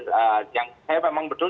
saya memang betul